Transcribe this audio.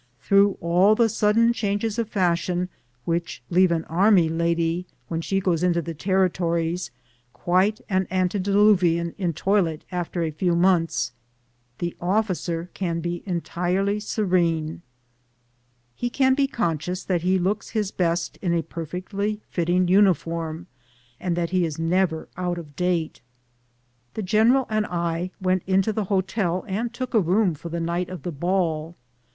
Through all the sudden changes of fashion, which leave an army lady when she goes into the territories quite an antediluvian in toilet after a few months, the officer can be entirely serene. WESTERN noSPITALITY. 31 He can be conscious that he looks his best in a perfect ly fitting uniform, and that he is never out of date. The general and I went into tlie hotel and took a room for the night of the ball.